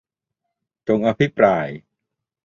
จงอภิปราย